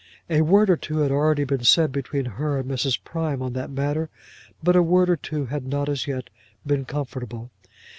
A word or two had already been said between her and Mrs. Prime on that matter, but the word or two had not as yet been comfortable.